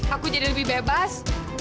aku jadi lebih bebas